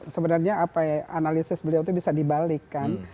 sebenarnya analisis beliau itu bisa dibalik kan